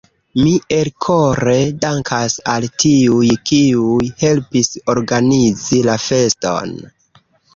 Mi elkore dankas al tiuj, kiuj helpis organizi la feston.